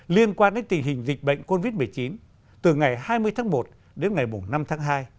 liên quan đến tình hình dịch bệnh covid một mươi chín từ ngày hai mươi tháng một đến ngày năm tháng hai